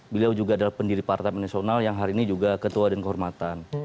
beliau juga adalah pendiri partai nasional yang hari ini juga ketua dan kehormatan